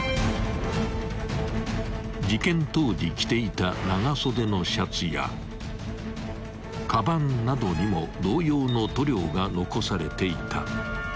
［事件当時着ていた長袖のシャツやかばんなどにも同様の塗料が残されていた］